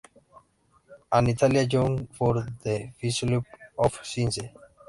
An Italian Journal for the Philosophy of Science.